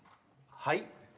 はい？